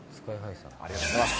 ありがとうございます。